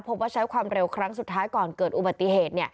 พบว่าใช้ความเร็วครั้งสุดท้ายก่อนเกิดอุบัติเหตุ